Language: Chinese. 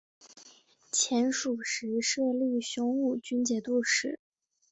前蜀时设立雄武军节度使。